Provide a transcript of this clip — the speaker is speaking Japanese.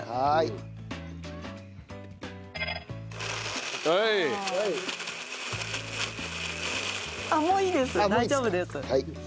はい。